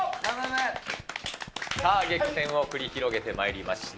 さあ、激戦を繰り広げてまいりました。